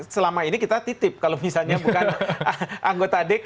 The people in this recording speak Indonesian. selama ini kita titip kalau misalnya bukan anggota dk